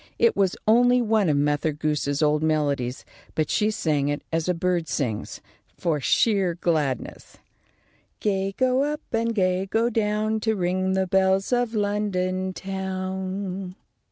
It was only one of Mother Goose's old melodies, but she sang it as a bird sings, for sheer gladness: "Gay go up and gay go down, To ring the bells of London town."